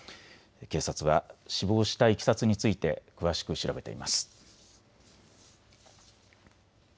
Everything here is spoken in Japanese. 警察は死亡したいきさつについて詳しく調べています。